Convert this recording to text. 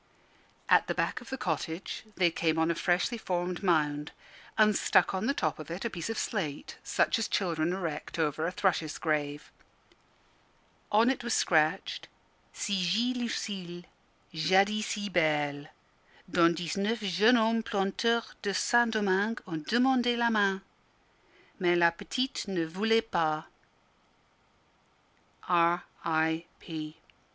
At the back of the cottage they came on a freshly formed mound, and stuck on the top of it a piece of slate, such as children erect over a thrush's grave. On it was scratched Ci Git Lucille, Jadis si Belle; Dont dix neuf Jeunes Hommes, Planteurs de Saint Domingue. ont demande la Main. Mais La Petite ne Voulait Pas. R.I.P.